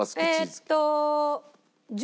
えっと。